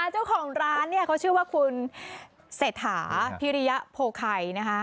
เจ้าของร้านเนี่ยเขาชื่อว่าคุณเศรษฐาพิริยโพไข่นะคะ